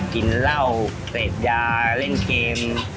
กินเหล้าเตรียดยาเล่นเกม